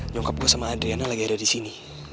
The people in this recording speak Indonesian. nyokap gue sama adriana lagi ada disini